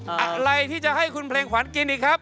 อะไรที่จะให้คุณเพลงขวัญกินอีกครับ